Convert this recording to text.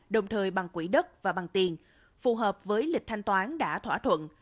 đồng thời bằng quỹ đất và bằng tiền phù hợp với lịch thanh toán đã thỏa thuận